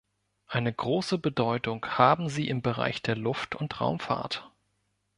Eine große Bedeutung haben sie im Bereich der Luft- und Raumfahrt.